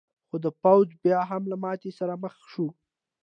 خو دا پوځ بیا هم له ماتې سره مخ شو.